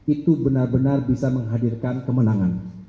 itu benar benar bisa menghadirkan kemenangan